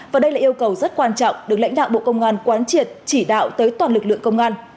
và đây là yêu cầu rất quan trọng được lãnh đạo bộ công an quán triệt chỉ đạo tới toàn lực lượng công an